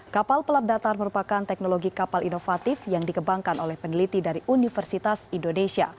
kapal pelap datar merupakan teknologi kapal inovatif yang dikembangkan oleh peneliti dari universitas indonesia